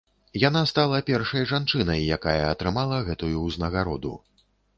Яна стала першай жанчынай, якая атрымала гэтую ўзнагароду.